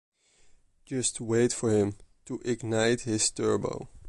Just wait for him to ignite his turbo!